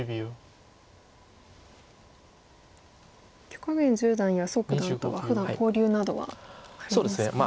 許家元十段や蘇九段とはふだん交流などはありますか？